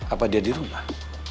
apa dia dirumah